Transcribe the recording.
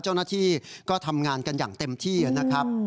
เจ้าหน้าที่ก็ทำงานกันอย่างเต็มที่นะครับ